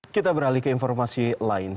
kita beralih ke informasi lain